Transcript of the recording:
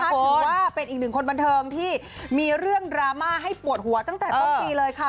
ถือว่าเป็นอีกหนึ่งคนบันเทิงที่มีเรื่องดราม่าให้ปวดหัวตั้งแต่ต้นปีเลยค่ะ